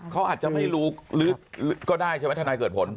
เขาอาจจะไม่รู้หรือก็ได้ใช่ไหมทนายเกิดผล